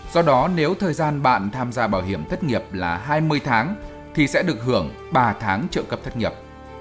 do đó nếu thời gian bạn tham gia bảo hiểm thất nghiệp là hai mươi tháng thì sẽ được hưởng ba tháng trợ cấp thất nghiệp